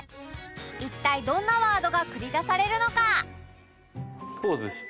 一体どんなワードが繰り出されるのか？